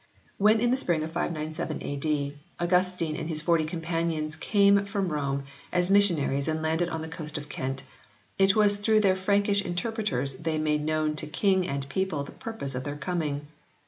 When in the spring of 597 A.D. Augustine and his forty companions came from Rome as mis sionaries and landed on the coast of Kent, it was through their Frankish interpreters they made known to King and people the purpose of their coming.